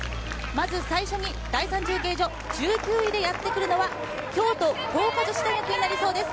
まず最初に第３中継所、１９位でやってくるのは京都光華女子大学になりそうです。